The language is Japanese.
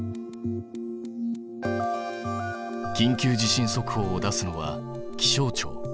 「緊急地震速報」を出すのは気象庁。